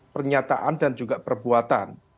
pernyataan dan juga perbuatan